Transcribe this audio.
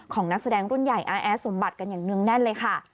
นักแสดงรุ่นใหญ่อาแอดสมบัติกันอย่างเนื่องแน่นเลยค่ะ